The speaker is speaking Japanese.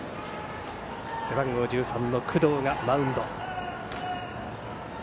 背番号１３の工藤がマウンド。